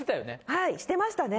はいしてましたね。